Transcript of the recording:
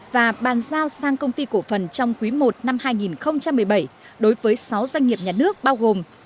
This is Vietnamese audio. và bàn giao sang công ty cổ phần trong quý i năm hai nghìn một mươi bảy đối với sáu doanh nghiệp nhà nước bao gồm